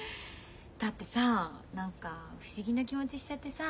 だってさ何か不思議な気持ちしちゃってさ。